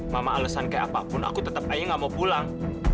mama alesan kayak apapun aku tetap ayah gak mau pulang